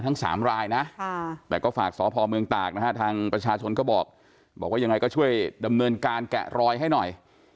ทั้ง๓รายนะแต่ก็ฝากสพเมืองตากนะฮะทางประชาชนก็บอกบอกว่ายังไงก็ช่วยดำเนินการแกะรอยให้หน่อย